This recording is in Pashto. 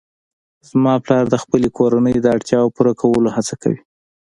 زما پلار د خپلې کورنۍ د اړتیاوو پوره کولو هڅه کوي